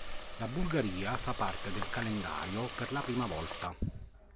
La Bulgaria fa parte del calendario per la prima volta.